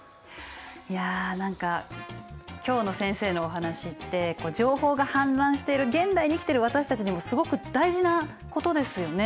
いや何か今日の先生のお話って情報が氾濫している現代に生きてる私たちにもすごく大事なことですよね。